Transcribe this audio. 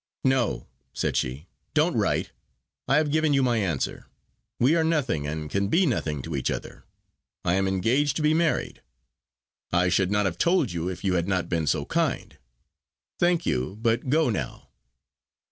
"No!" said she. "Don't write. I have given you my answer. We are nothing, and can be nothing to each other. I am engaged to be married. I should not have told you if you had not been so kind. Thank you. But go now."